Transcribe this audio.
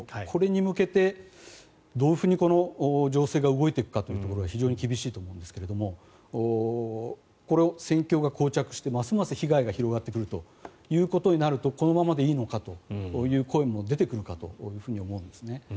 これに向けてどういうふうにこの情勢が動いていくかというところが非常に厳しいと思うんですがこれを戦況がこう着してますます被害が広がってくるということになるとこのままでいいのかという声も出てくるかと思うんですね。